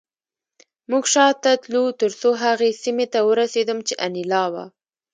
موږ شاته تلو ترڅو هغې سیمې ته ورسېدم چې انیلا وه